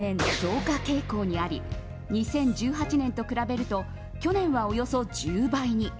実家じまいの相談案件は年々増加傾向にあり２０１８年と比べると去年は、およそ１０倍に。